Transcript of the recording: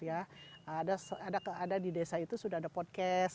ada di desa itu sudah ada podcast